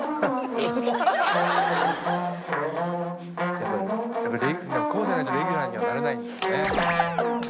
「やっぱりこうじゃないとレギュラーにはなれないんですね」